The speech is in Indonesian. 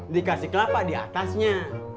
dikasih kelapa di atasnya